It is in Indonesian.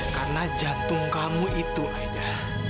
karena jantung kamu itu maida